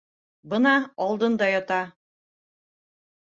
Бына алдында ята!